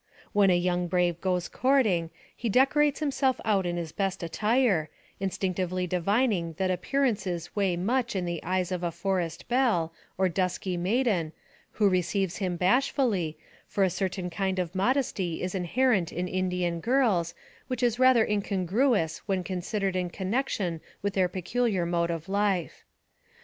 When a young brave goes courting, he dec orates himself out in his best attire, instinctively divin ing that appearances weigh much in the eyes of a forest belle, or dusky maiden, who receives him bashfully, for a certain kind of modesty is inherent in Indian girls, which is rather incongruous when considered in connection with their peculiar mode of life.